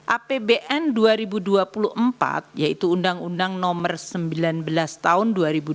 apbn dua ribu dua puluh empat yaitu undang undang nomor sembilan belas tahun dua ribu dua puluh